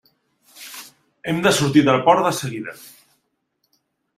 Hem de sortir del port de seguida.